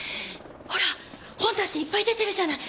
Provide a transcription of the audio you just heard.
ほら本だっていっぱい出てるじゃない。